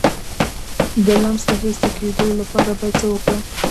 د لمس د حس د کمیدو لپاره باید څه وکړم؟